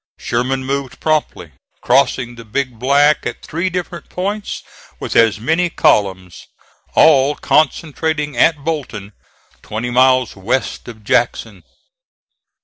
Sherman moved promptly, crossing the Big Black at three different points with as many columns, all concentrating at Bolton, twenty miles west of Jackson.